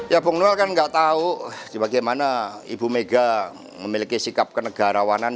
ya bung noel kan nggak tahu bagaimana ibu mega memiliki sikap kenegarawanan